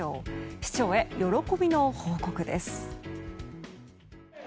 市長へ喜びの報告です。